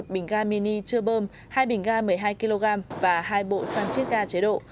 một trăm linh một bình ga mini chưa bơm hai bình ga một mươi hai kg và hai bộ xăng chiết ga chế độ